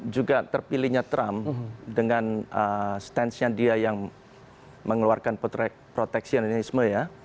juga terpilihnya trump dengan stance nya dia yang mengeluarkan proteksi dan lain lain semua ya